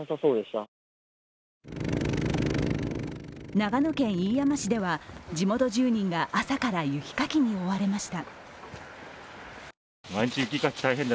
長野県飯山市では地元住人が朝から雪かきに追われました。